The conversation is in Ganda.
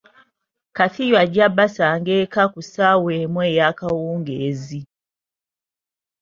Kafiyu ajja basanga eka ku ssaawa emu eyakawungeezi.